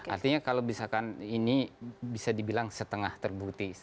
artinya kalau misalkan ini bisa dibilang setengah terbukti